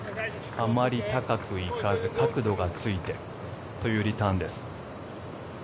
あまり高く行かず角度がついてというリターンです。